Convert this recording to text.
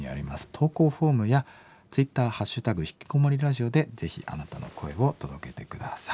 投稿フォームやツイッター「＃ひきこもりラジオ」でぜひあなたの声を届けて下さい。